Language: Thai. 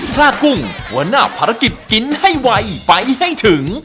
กุ้งหัวหน้าภารกิจกินให้ไวไฟให้ถึง